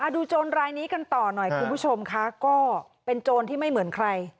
โจรรายนี้กันต่อหน่อยคุณผู้ชมค่ะก็เป็นโจรที่ไม่เหมือนใคร